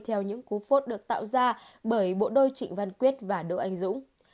theo những cú phốt được tạo ra bởi bộ đôi trịnh văn quyết và đỗ anh dũng